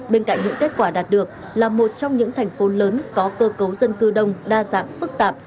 bên cạnh những kết quả đạt được là một trong những thành phố lớn có cơ cấu dân cư đông đa dạng phức tạp